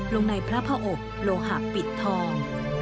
ลงในพระพระอบโลหะปิดทอง